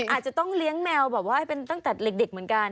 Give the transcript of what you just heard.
อาจจะต้องเลี้ยงแมวตั้งแต่เด็กเหมือนกัน